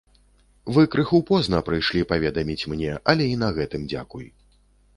Вы крыху позна прыйшлі паведаміць мне, але і на гэтым дзякуй.